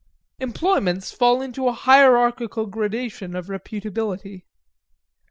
Employments fall into a hierarchical gradation of reputability.